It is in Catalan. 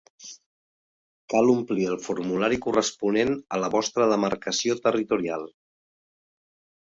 Cal omplir el formulari corresponent a la vostra demarcació territorial.